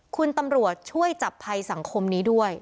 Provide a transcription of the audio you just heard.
คุณตำรวจช่วยจับภัยสังคมนี้ด้วย